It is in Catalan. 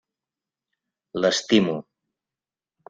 L'estimo.